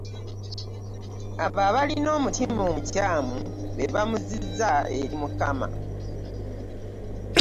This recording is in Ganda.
Abo abalina omutima omukyamu ba muzizo eri Mukama.